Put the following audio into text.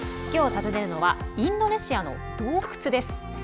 きょう訪ねるのはインドネシアの洞窟です。